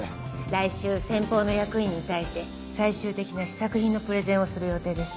来週先方の役員に対して最終的な試作品のプレゼンをする予定です。